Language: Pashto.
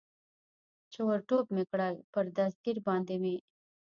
چې ور ټوپ مې کړل، پر دستګیر باندې مې.